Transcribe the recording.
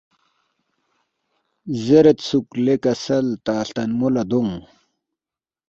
زیرد سوک لے کسل تا ہلتانمو لا دونگ